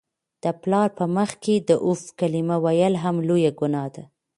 د پلار په مخ کي د "اف" کلمه ویل هم لویه ګناه ده.